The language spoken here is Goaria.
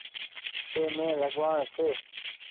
اي مين لگوآڻ ڇي۔